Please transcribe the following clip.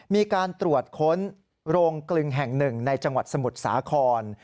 มีการตรวจค้นโรงกลึงแห่งหนึ่งในจังหวัดสมุทรสาคร